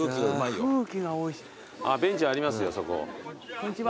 こんにちは。